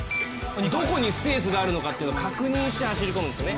どこにスペースがあるのか確認して走り込むんですね。